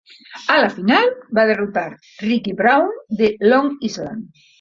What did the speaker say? A la final, va derrotar Ricky Brown, de Long Island.